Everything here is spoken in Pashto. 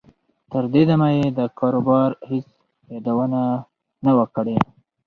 تر دې دمه یې د کاروبار هېڅ یادونه نه وه کړې